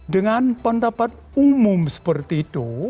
dengan pendapat umum seperti itu